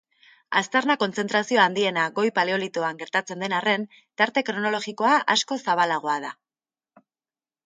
Aztarna-kontzentrazio handiena Goi Paleolitoan gertatzen den arren, tarte kronologikoa askoz zabalagoa da.